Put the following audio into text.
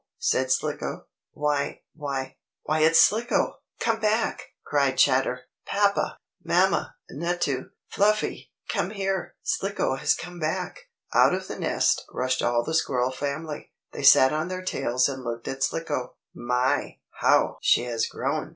said Slicko. "Why why why it's Slicko come back!" cried Chatter. "Papa Mamma! Nutto, Fluffy! Come here. Slicko has come back!" Out of the nest rushed all the Squirrel family. They sat on their tails and looked at Slicko. "My! How she has grown!"